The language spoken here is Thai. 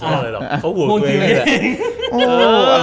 เค้าห่วงกูเองเลย